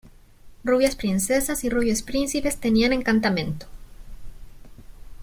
rubias princesas y rubios príncipes tenían encantamento!...